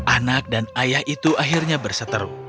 anak dan ayah itu akhirnya berseteru